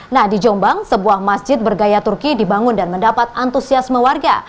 nah di jombang sebuah masjid bergaya turki dibangun dan mendapat antusiasme warga